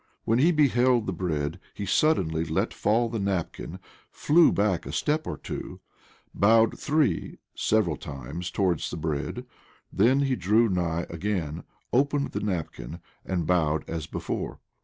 When he beheld the bread, he suddenly let fall the napkin, flew back a step or two, bowed three several times towards the bread; then he drew nigh again, opened the napkin, and bowed as before.